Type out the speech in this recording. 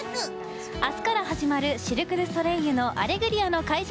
明日から始まるシルク・ドゥ・ソレイユの「アレグリア」の会場